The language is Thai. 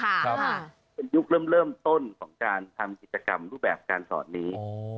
ครับเป็นยุคเริ่มต้นของการทำกิจกรรมรูปแบบการสอนนี้